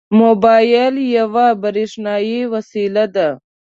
موبایل یوه برېښنایي وسیله ده.